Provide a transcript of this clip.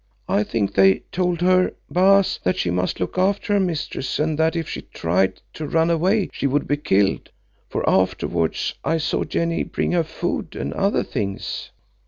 I think they told her, Baas, that she must look after her mistress and that if she tried to run away she would be killed, for afterwards I saw Janee bring her food and other things."